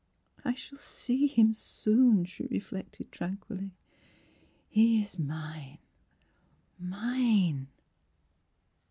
"I shall see him soon," she reflected tranquilly. He is mine — mine!"